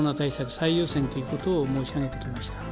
最優先ということを申し上げてきました。